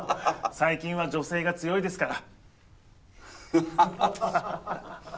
最近は女性が強いですから。